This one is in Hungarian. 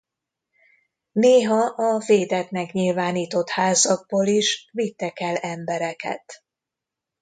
Néha a védettnek nyilvánított házakból is vittek el embereket.